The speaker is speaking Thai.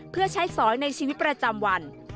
เพื่อใช้สอยในชีวิตประจำวัน